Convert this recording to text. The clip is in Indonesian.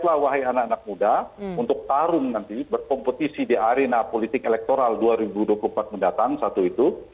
itulah wahai anak anak muda untuk tarung nanti berkompetisi di arena politik elektoral dua ribu dua puluh empat mendatang satu itu